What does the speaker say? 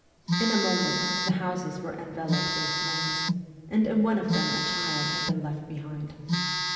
In a moment the houses were enveloped in flames, and in one of them a child had been left behind.